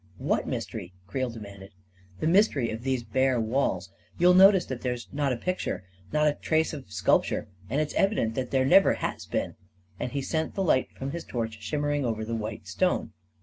" What mystery? " Creel demanded. " The mystery of these bare walls. You'll notice that there's not a picture — not a trace of sculpture *— and it's evident that there never has been," and he sent the light from his torch shimmering over the white stone.